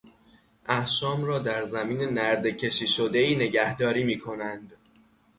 احشام را در زمین نردهکشی شدهای نگهداری میکنند.